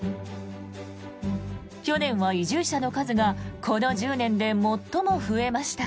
去年は移住者の数がこの１０年で最も増えました。